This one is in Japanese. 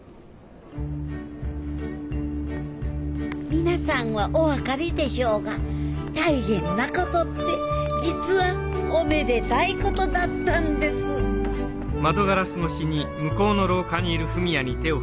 皆さんはお分かりでしょうが大変なことって実はおめでたいことだったんですうん？